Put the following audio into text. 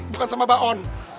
bukan sama mbak on